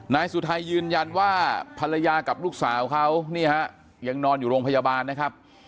นายสุทัยยืนยันว่าภรรยากับลูกสาวเขานี่ฮะยังนอนอยู่โรงพยาบาลนะครับ